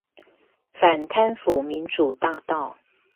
反貪腐民主大道